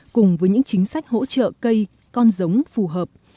cùng với những chính sách hỗ trợ cây con giống phù hợp